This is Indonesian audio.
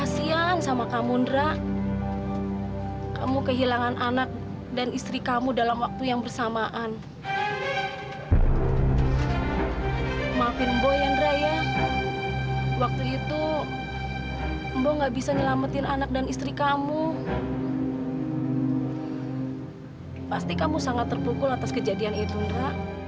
sampai jumpa di video selanjutnya